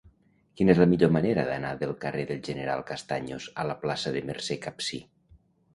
Quina és la millor manera d'anar del carrer del General Castaños a la plaça de Mercè Capsir?